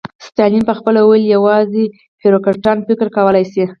ستالین به خپله ویل یوازې بیروکراټان فکر کولای شي.